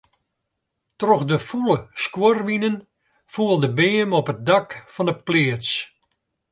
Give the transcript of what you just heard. Troch de fûle skuorwinen foel de beam op it dak fan 'e pleats.